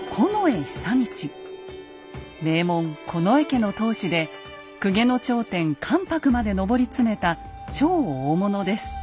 名門近衛家の当主で公家の頂点関白まで上り詰めた超大物です。